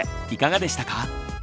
いかがでしたか？